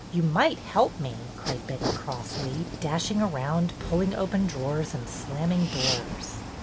You might help me," cried Betty, crossly, dashing around, pulling open drawers and slamming doors.